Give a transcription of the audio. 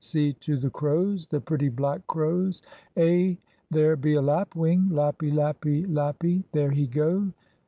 "See to the crows, the pretty black crows! Eh, there be a lapwing! Lap py, lap py, lap py, there he go!